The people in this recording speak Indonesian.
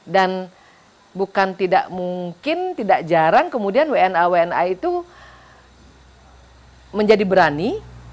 dan bukan tidak mungkin tidak jarang kemudian wna wna itu menjadi berani